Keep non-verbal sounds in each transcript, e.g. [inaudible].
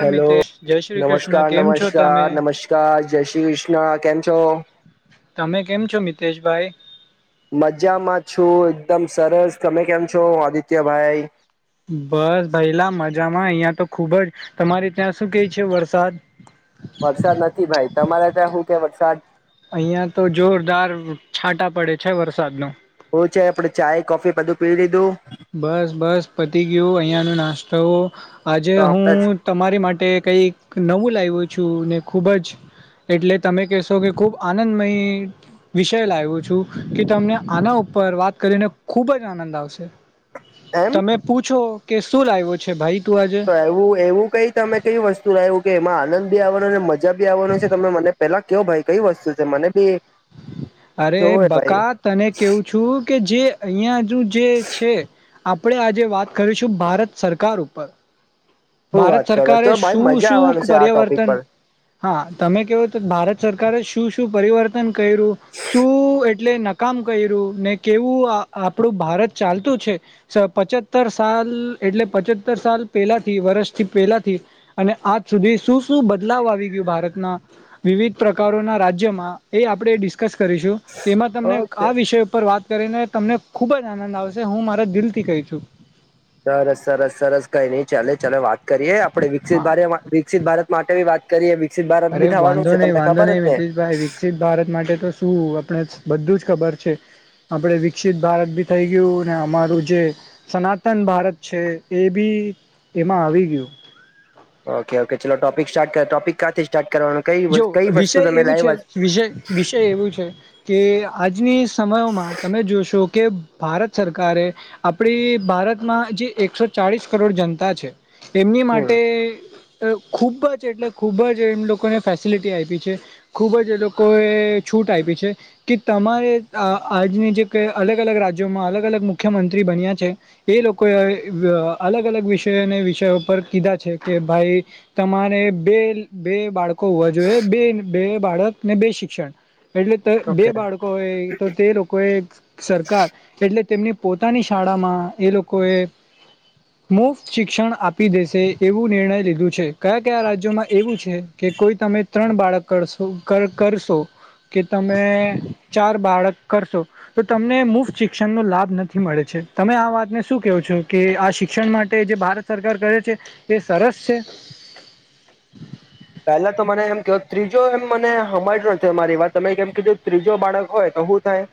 નમસ્કાર હેલો મિતેશ જય શ્રી કૃષ્ણ નમસ્કાર કેમ છો તમે નમસ્કાર નમસ્કાર જય શ્રી કૃષ્ણ કેમ છો? તમે કેમ છો મિતેશભાઈ? મજામાં છું એકદમ સરસ તમે કેમ છો આદિત્યભાઈ? બસ ભૈલા મજામાં અહિયાં તો ખુબજ તમારે ત્યાં શું કે છે વરસાદ? વરસાદ નથી ભાઈ તમારે ત્યાં શું કે વરસાદ? અહિયાં તો જોરદાર છાંટા પડે છે વરસાદ ન શું છે આપડે ચાય કોફી બધું પી લીધું? બસ બસ પતી ગયું અહિયાં ન નાસ્તો આજે તો હમણાં જ? હું તમારી માટે કંઈક નવું લાવ્યું છું ને ખૂબ જ એટલે તમે કહેશો કે ખુબ આનંદમય વિષય લાવ્યો છું કે તમને આના ઉપર પર વાત કરીને ખુબ જ આનંદ આવશે. એમ તમે પૂછો કે શું લાવ્યો છે ભાઈ? તું આજે તો એવું એવું કઈ તમે કઈ વસ્તુ રહ્યું કે એમાં આનંદ બી આવે. મજા આવવાનો છે તમે મને પેલા કયો ભાઈ કઈ વસ્તુ છે મને બી અરે જોવે ભાઈ બકા તને કેવું છું કે જે અહિયાં જે છે આપણેે આજે વાત કરીશું ભારત સરકાર ઉપર શું ભારત વાત કરો સરકારે તો ભાઈ શું મજા શું આવવાનું છે આ ટોપિક પર્યાવર્તન પર હા તમે કેવો તો ભારત સરકારે શું શું પરિવર્તન કર્યું શું એટલે નકામ કર્યું ને કેવું આપડું ભારત ચાલતું છે પચતર સાલ એટલે પચતર સાલ પેલા વર્ષથી પેલાથી અને આજ સુધી શું શું બદલાવ આવી ગયું ભારતના વિવિધ પ્રકારોના રાજ્યમાં એ આપણે ડિસ્કસ કરીશું તેમાં તમને ઓકે આ વિષય ઉપર વાત કરીને તમને ખુબ જ આનંદ આવશે હું મારા દિલથી કહી છું. સરસ સરસ સરસ. કઈ નહી ચાલે ચ વાત કરીએ આપડે વિક હા ભ વિકિત ભારત માટે વાત કરીએ. વિકસિત ભારત અરે બી થવાનું વાંધો છે નહી તમને વાંધો ખબર નહી જ ને મિતશભાઈ વિકસિત ભારત માટે તો શું આપણે બધું જ ખબર છે આપણે વિકસિત ભારત બી થઈ ગયું ને અમારું જે સનાતન ભારત છે એ બી એમાં આવી ગયું. ઓકે ઓકે ચલો સ્ટાર્ટ કર ટોપિકા સ્ટારટ જો વિષય એવું છે વિષય વિષય એવું છે કે આજની સમયોમાં તમે જોશો કે ભારત સરકારે આપડી ભારતમાં જે એકસો ચાળસ કરોડ જનતા છે. એમની માટે હમ ખૂબ જ એટલે ખૂબ જ એમ લોકોને ફેસિલિટી આયપી છે. ખૂબ જ એ લોકોએ છૂટ આયપી છે કે તમારે અહ આ આજની જે કે અલગ-અલગ રાજ્યોમાં અલગ-અલગ મુખ્યમંત્રી બન્યા છે, એ લોકો એ વ અલગ અલગ વિષય અને વિષયો પર કીધા છે કે ભાઈ તમારે બે-બે બાળક કો હોવા જોઈએ. બે-બે બાળક ને બે શિક્ષણ એટલે ત બે ઓકે બાળકો હોય તો તે લોકોએ સરકાર એટલે તેમની પોતાની શાળામાં એ લોકોએ મુફ્ત શિક્ષણ આપી દેશે એવું નિર્ણય લીધું છે. કયા-કયા રાજ્યોમાં એવું છે? કે કોઈ તમે ત્રણ બાળક કરશો કર-કર કરશો? કે તમે ચાર બાળક કરશો તો તમને મુફ્ત શિક્ષણ નો લાભ નથી મળે છે. તમે આ વાતને શું કેહો છો કે આ શિક્ષણ માટે જે ભારત સરકાર કરે છે એ સરસ છે? [unintelligible] પેલા તો મને એમ કયો ત્રીજો એમ મને હમજો તે મારી વાત, તમે જેમ કીધું ત્રીજો બાળક હોય તો હું થાય?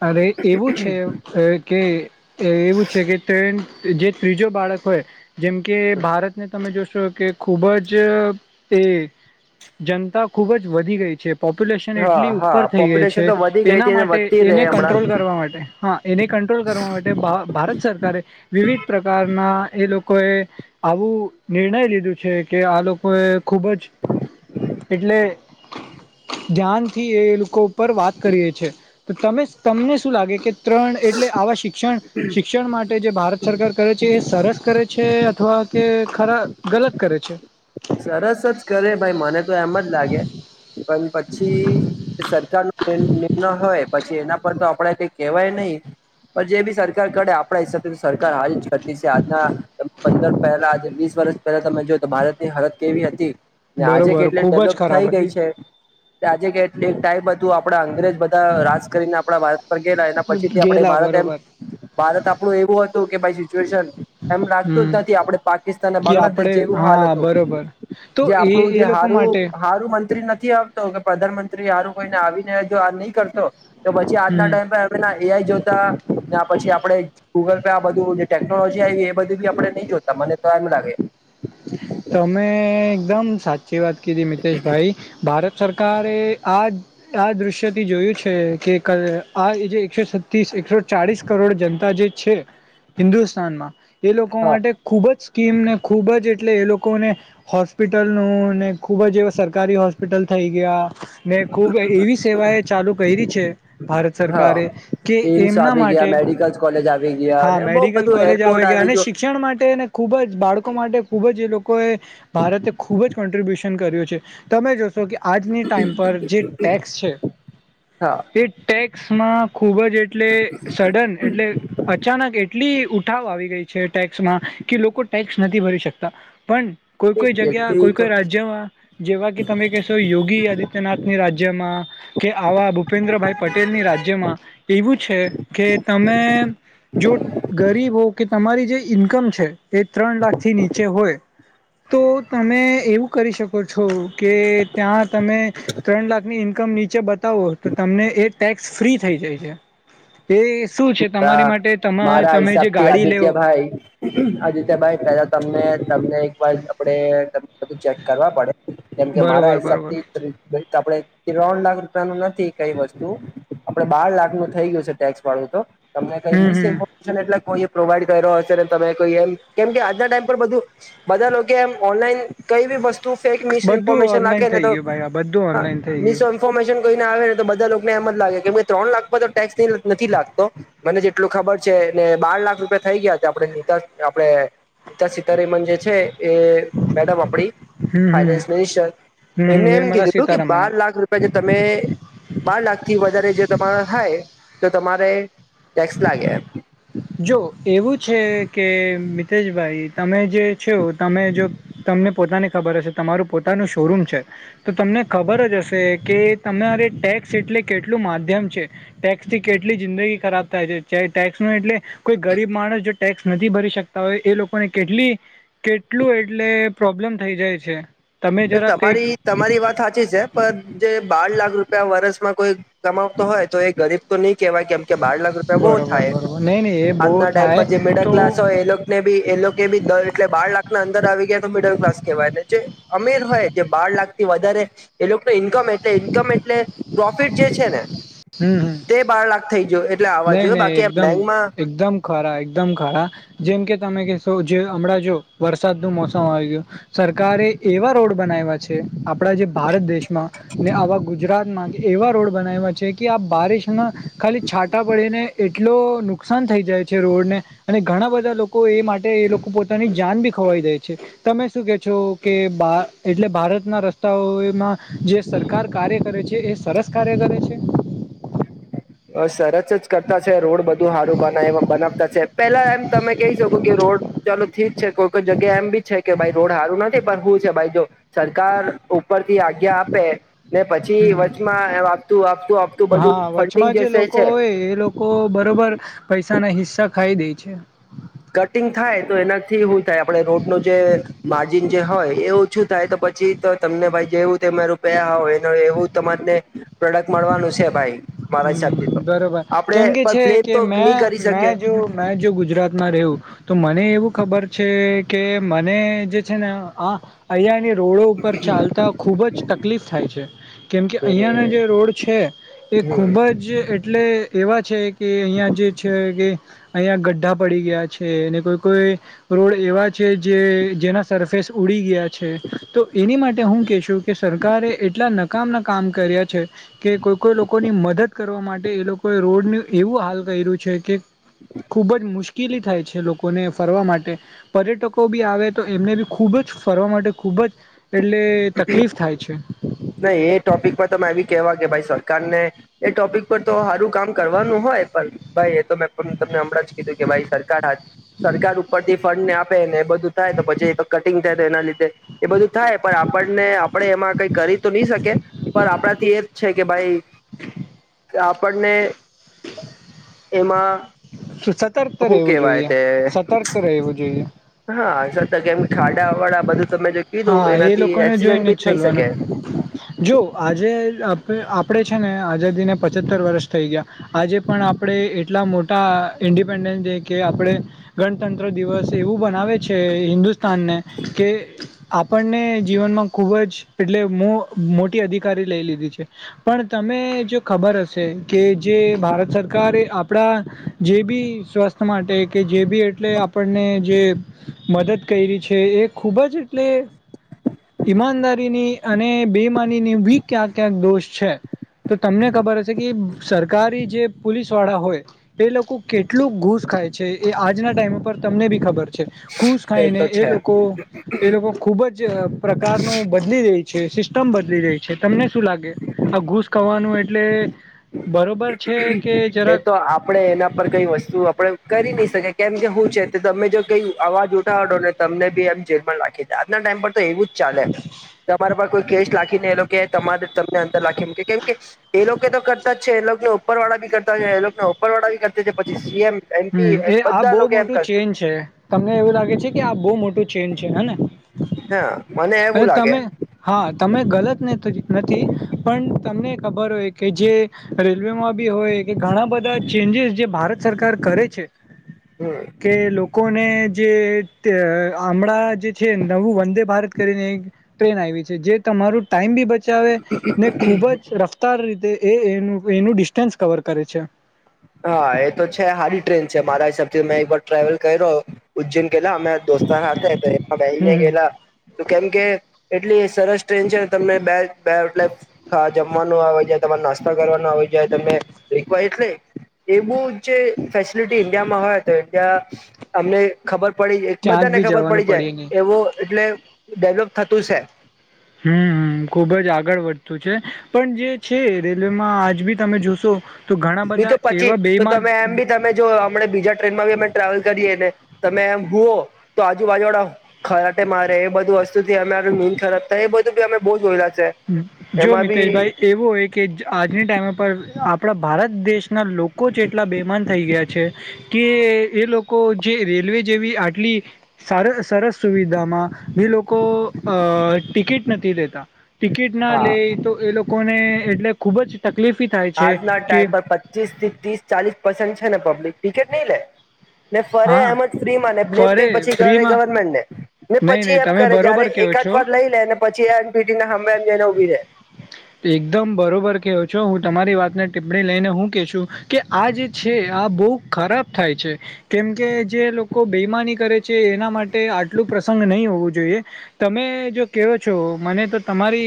અરે એવું છે અહ કે એવું છે કે ટ્રેન જે ત્રીજો બાળક હોય જેમ કે ભારતને તમે જો શો કે ખૂબ જ તે જનતા ખુબ જ વધી ગઈ છે. પોપ્યુલેશન હા એટલી હા ઉપર થઈ ગઈ પોપ્યુલેશન છે. તો વધી ગઈ ના હતી ને માટે વધતી એને રહે હમણાં કંટ્રોલ કરવા માટે, હા એને કંટ્રોલ કરવા માટે ભા ભારત સરકારે વિવિધ પ્રકાર ના એ લોકો એ આવું નિર્ણય લીધું છે. કે આ લોકો એ ખૂબ જ એટલે ધ્યાનથી એ લોકો ઉપર વાત કરીએ છે તો તમે તમને શું લાગે કે ત્રણ એટલે આવા શિક્ષણ-શિક્ષણ માટે જે ભારત સરકાર કરે છે, એ સરસ કરે છે અથવા કે ખરા ગલત કરે છે? સરસ જ કરે ભાઈ મને તો એમ જ લાગે, પન પછી સરકાર નો જે નિર્ણય હોય પછી એના પર તો આપડે કઈ કેવાય નહી. પણ જે બી સરકાર કરે આપણા હિસાબે તો સરકાર હારી જ કરતી સે. આજના પંદર પહેલા વીસ વર્ષ પહેલા તમે જોઓ તો ભારત ની હાલત કેવી હતી, ને આજે બરોબર કેટલી ખૂબ જ ડેવલોપ થઈ ખરાબ ગઈ હતી છે ને આજે કેટલી ટાઈપ હતું આપડા અંગ્રેજ બધા રાજ કરીને આપણા ભારત પર ગયેલા એના પછી તે આપણે ગેલા ભારત એમ બરોબર ભારત આપણું એવું હતું કે [unintelligible] સિચ્યુએશન એમ લાગતું હમ જ નથી. આપણે પાકિસ્તાન અને કે આપડે બાંગ્લાદેશ જેવું હાલ હા હતું. બરોબર તો જે આપડું એ એ જે લોકો માટે હારું'હારું મંત્રી નથી આવતો કે પ્રધાનમંત્રી હારું કોઈને આવીને જો આ નહી કરતો તો પછી હમ આજના ટાઈમ [unintelligible] પી આઈ જોતા ને આ પછી આપડે ગૂગલ પે આ બધું ટેકનોલોજી આઈ એ બધું ભી આપડે નહી જોતા મને તો એમ લાગે. તમે એકદમ સાચી વાત કીધી મિતેશભાઈ. ભારત સરકારે આ-આ દ્રશ્યથી જોયું છે કે કલ આ એ જે એકસો છતીસ એકસો ચાળીસ કરોડ જનતા જે છે હિન્દુસ્તાનમાં એ લોકો હા માટે ખુબ જ સ્કીમને ખુબ જ એટલે એ લોક કોને હોસ્પિટલ નું ને ખૂબ જ એવા સરકારી હોસ્પિટલ થઈ ગયા. ને ખુબ એવી સેવા એ ચાલુ કરી છે ભારત હા સરકારે, કે એમ્સ એમના આવી માટ ગયા ટે, મેડિકલ કોલેજ આવી ગયા હા અને બહુ મેડિકલ બધું કોલેજ એરપોર્ટ આવે આવી અને ગયો શિક્ષણ માટે એને ખુબ જ બાળકો માટે ટે ખૂબ જ એ લોકો એ ભારતે ખૂબ જ કોન્ટ્રિબ્યુશન કર્યું છે. તમે જો શો કે આજની ટાઈમ પર જે ટેક્સ છે, હા એ ટેક્સમાં ખૂબ જ એટલે સડન એટલે અચાનક એટલી ઉઠાવ આવી ગઈ છે ટેક્સમાં, કે લોકો ટેક્સ નથી ભરી શકતા. પણ કોઈ-કોઈ જગ્યા એથી કોઈ-કોઈ તો રાજ્યમાં જેવા કે તમે કહેશો યોગી આદિત્યનાથની રાજ્યમાં કે આવા ભૂપેન્દ્રભાઈ પટેલ ની રાજ્યમાં એવું છે કે તમે જો ગરીબ હો કે તમારી જે ઈન્કમ છે તે ત્રણ લાખ થી નીચે હોય હ તો તમે એવું કરી શકો છો કે ત્યાં તમે ત્રણ લાખની ઇન્કમ નીચે બતા તો તમને એ ટેક્સ ફ્રી થઈ જાય છે એ શું છે હ તમારી માટે તમા મારા તમે જે હિસાબ થી ગાડી લેવ આદિત્યભાઈ આદિત્યભાઈા તમને તમને એક વાર આપડે બ ચેક કરવા પડે કેમ કે મારા બરોબર હિસાબ બરોબર થી આપણે કે ત્રણ લાખ રૂપિયા નું નથી કઈ વસ્તુ આપડે બાર લાખ નું થઈ ગયું છે ટેક્સ વાળું તો તમને કઈ હમ મિસ હમ ઇમોશન એટલે કોઈ પ્રોવાઈડ કર્યો હશે ને તમે કોઈ એમ કેમ કે આજના ટાઈમ પર બધું બધા લોકો એમ ઓનલાઈન કઈ બી વસ્તુ તું ફેક મી બધું ન્ફોર્મેશન ઓનલાઈન થઈ લ ગયું ભાઈ આ બધું ઓનલાઈન થઈ મ ગયું ન્ફોર્મેન કોઈને આવે ને તો બધા લોકોને એમ જ લાગે કેમ ત્રણ લાખ પર તો ટેક્સ નથી લાગતી તો મને જેટલું ખબર છે ને બાર લાખ રૂપિયા થઈ ગયા આપણે તા આપણે નીતા સીતારમન જે છે એ મેડમ આપડી હમ ફાઈનાન્સ હમ મિનિસ્ટર હમ એમને એમ નિર્મલા કીધું હતું કે સીતારમન બાર લાખ રૂપિયા જે તમે બાર લાખ થી વધારે જો તમારા થાય તો તમારે ટેક્સ લાગે તેજભાઈ તમે જે છો તમે જો તમને પોતાને ખબર હશે તમારું પોતાનું શોરૂમ છે તો તમને ખબર જ હશે કે તમારે ટેક્સ એટલે કેટલું માધ્યમ છે ટેક્સ કેટલી જિંદગી ખરાબ થાય છે ટેક્સ નો એટલે કોઈ ગરીબ માણસ ટેક્સ નથી ભરી શકતા હોય એ લોકોને કેટલી કેટલું એટલે પ્રોબ્લેમ થઈ જાય છે તમે જરા કંઈક તમારી તમારી વાત સાચી છે જે બાર લાખ રૂપિયા વરસમાં કોઈ કમાવતો હોય તો એ ગરીબ તો નહી કેવાય કેમ કે બાર લાખ રૂપિયા બહુ બરોબર થાય બરોબર નહીં નહીં એ બહુ આજના ટાઈમ થાય પર જે મિડલ તો ક્લાસ હોય એ બી એ લોકો બી એટલે બાર લાખના અંદર આવી ગયા તો લ ક્લાસ કહેવાય અમીર હોય જે બાર લાખ થી વધારે એ લોકોને ઈન્કમ એટલે ઈન્કમ એટલે પ્રોફિટ જે છે ને હમ હમ તે બાર લાખ થઈ ગયો એટલે આવવા નઈ જોઈએ નહી બાકી એમ એકદમ બેંકમાં એકદમ ખરા એકદમ ખરા જેમ કે તમે કશો જે હમણાં જો વરસાદનુંું મોસમ આવી ગયું સરકારે એવા રોડો આપ જે ભારત દેશમાં ને આવા ગુજરાતમાં એવા રોડ બનાવ્યા છે કે આપ બારિશ ના ખાલી છાંટા પડીેને એટલો નુકસાન થઈ જાય છે રોડને અને ઘણા બધા લોકો એ માટે એ લોકો પોતાની જાન બી ખવાઈ દે છે તમે શું કે છો કે એટલે ભારતના રસ્તાઓમાં જે સરકાર કાર્ય કરે છે એ સરસ કાર્ય કરે છે અ સરસ જ કરતા છે રોડ બધું સારું બ બનાવતા છે પેલા એમ તમે કહી શકો કે રોડ ચાલો થીજ છે કોઈ કોઈ જગ્યા એમ બી છે કે ભાઈ રોડ સારું નથી પણ હું છે ભાઈ જો સરકાર ઉપરથી આજ્ઞા આપે ને પછી હમ વચમાં એમ આપતું આપતું આપતું બધું માં જે લોકો હોય એ લોકો બરોબર પૈસા ના હિસ્સા ખાઈ દે છે કટિંગ થાય તો એનાથી શું થાય આપડ રોડ ન જે માર્જિન જે હોય એ ઓછું થાય તો પછી તો તમને ભાઈ જેવું તે મારું પયા હોય એવું તમારને પ્રોડક્ટ મળવાનું છે ભાઈ મારા હિસાબથી તો હમ બરોબર આપણે કેમ કે પણ છે બ્લેમ કે તો મે નહી કરી મે શકે જો મે જો ગુજરાત રહેવું તો મને એવું ખબર છે કે મને જે છે ને આ અહીંયાની રોડો ઉપર ચાલતા ખુબ જ તકલીફ થાય છે કેમકે અહીંયાના જે રોડ છે એ હમ ખૂબ જ એટલે એવા છે કે અયા જે છે કે અહીિયાયા ગ્ઢા પડી ગયા છે અને કોઈ કોઈ રોડ એવા છે જે જેના સરફેસ ઉડી ગયા છે તો એની માટે હું કેશું કે સરકારે એટલા નકામ કામ કર્યા છે કે કોઈ કોઈ લોકો લોકોની મદદ કરવા માટે એ લોકોએ રોડનું એવું હાલ કર્યું છે કે ખૂબ જ મુશ્કેલ કેલી થાય છે લોકોને ફરવા માટે પર્યટકો બી આવે તો એમને બી ખૂબ જ ફરવા માટે ખૂબ ખૂબ જ એટલે તકલીફ થાય છે નહી એ ટોપિક પર તો એ કેવા કે ભાઈ સરકારને એ ટોપિક પર તો હારું કામ કરવાનું હોય હોએ પણ ભાઈ એ તો મેં તમને હમણાં જ કીધું કે ભાઈ સરકાર હા સરકાર ઉપર થી ફંડને આપે એ બધું થાય તો પછી તો કટિંગ થાય તો એના લીધે એ બધું થાય પણ આપણને આપડે એમાં કઈક સકે પણ આપણાથી એ જ છે કે ભાઈ આપણને એમાં હ [inaudible] સતર્ક શું રહેવું કેવાય જોઈએ તે સતર્ક રહેવું જોઈએ હા સતક કેમ ખાડાવાડા બધું તમે જે કીધું હા એ એનાથી લોકોને એક્સિડન્ટ જોઈને બી થઈ ચલવાનું શકે જો આજે આપે આપણે છે ને આઝાદીને પછત્તર વર્ષ થઈ ગયા આજે પણ આપણે એટલા મોટા ઈન્ડિપેન્ડ ડે કે આપણે ગણતંત્ર દિવસ એવું બનાવે છે હિન્દુસ્તાન તાન ને કે આપણને જીવનમાં ખૂબ જ એટલે મો મોટી અધિકારી લઈ લીધી છે પણ તમે તમને જો ખબર હશે કે જે ભારત સરકાર એ આપણા જે બી સ્વાથ માટે કે જે બી એટલે આપણને જે મદદ કરી છે એ ખૂબ જ પ્લે ઈમાનદારીની અને બૈમાની ની બી ક્યાં ક્યાંક દોષ છે તો તમને ખબર હશે કે સરકારી જે પોલીસ વાળા હોય એ લોકો કેટલું ઘૂસ ખાય છે એ આજના ટાઈમ પર તમને બી ખબર છે ઘુશ તો ખાઈને એ છે લોકો એ લોકો ખૂબ જ પ્રકારનું બદલી રહી છે સિસ્ટમ બદલી રહી છે તમને શું લાગે આ ઘૂસ ખાવાનું એટલે બરોબર છે કે એ જરાક તો આપડે એના પર કઈ વસ્તુ આપડે કરી નહી શકી કેમ કે હું છે તમે જો કઈ અવાજ ઉઠાવોને તમને બી એમ જેલમાં રાખી દ આજના ટાઈમ પર તો એવું ચાલે તમારા પર કોઈ કેસ લખીને એ લોકો તમારે તમને અંદર લખી મૂકે કેમ કે એ લોકો તો કરતા જ છે એ લોકોને ઉપર વાળા બી કરતા છે એ લોકોને ઉપર વાળા બી કરતા છે પછી સીએમ હમ એમપી એ આ બધા બહુ લોકો એમ મોટું કરશે ચેન છે તમને એવું લાગે છે કે આ બહુ મોટું ચેન્ છે હને હા મને એવું લાગે હા તમે ગલત નથી નથી પણ તમને ખબર હોય કે જે રેલવેમાં બી હોય કે ઘણા બધા ચેન્જીસ જે ભારત સરકાર કરે છે હમ કે લોકો લોકોને જે તે હમળા જે છે નવું વંદે ભારત કરીને એક ટ્રેન આવી છે જે તમારું ટાઈમ બી બચ બચાવે ને ખુબ જ રફતાર રીતે એ એનું ડિસ્ટન્સ કવર કરે છે હા એ તો છે હારી ટ્રેન છે મારા હિસાબથી મેં એક વાર ટ્રાવલ કર્યો ઉજ્જૈન કેલા અમે દોસ્તારા હાથે એમા બ‌ઇને હમ ગેલા તો કેમ કે એટલી સરસ ટ્રેન છે તમને બે બે એટલે જમવાનું આવે જ તમારે નાસ્તા કરવા હોય જાય તમે રી એટલે એ બું જે ફેસિલિટી ઇન્ડિયામાં હોય તો ઈન્ડિયા અમને ખબર પડી જ ક્યાંક બધાને બી ખબર જવાનું પડી પડે નહી જાય એવું એટલે ડેવલોપ થતું છે હમ ખુબ જ આગળ વધતું છે પણ જે છે રેલવેમાં આજ ભી તમે જોશો તો ઘણા બી બધા તો પછી એવા તો બેઈમાન તમે એમ બી તમે જો અમડે બીજા ટ્રેનમાં બી અમે ટ્રાવેલ કરીએને તમે એમ હુઓ તો આજુબાજુળ ખરાટે મારે એ બધું વસ્તુથી અમે મારું નિંદ ખરાબ થાય એ બધું ભી અમે બહુ જોયલા જો મિતેશભાઈ એવું હોય કે આજની ટાઈમ પર આપણા ભારત દેશ ના લોકો જેટલા બેમાન થઈ ગયા છે કે એ લોકો જે રેલવે જેવી આટલી સા સરસ સુવિધામાં એ લોકો અ ટિકિટ નથી દેતા ટિકિટ ના હા લે તો એ લોકોને એટલે ખુબ જ તક આજના ટાઈમ પર પચીસ થી ત્રીસ ચાલીસ પર્સન્ટ છે ને પબ્લિક ટિકેટ નહી લે ને ફરે હા એમ જ ફ્રી ને બ્લેમ ફરે પ પછી ફ્રીમાં ગવર્મેન્ટ ને ને નહીં પછી નહીં એમ તમે કરે જયારે બરોબર કહો એકાદ છો વાર લઈ લે ને પછી એ એનપીટીને હમેને ઉભી રહેે. એકદમ બરોબર કેવો છો હું. તમારી વાતને ટીપ્પણી લઈને હું કે છું કે આ જે છે આ બહ ખરાબ થાય છે. કેમકે જે લોકો બેમાની કરે છે એના માટે આટલું પ્રસંગ નહીં હોવું જોઈએ. જો તમે જો કે છો મને તો તમારી